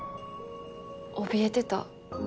おびえてた。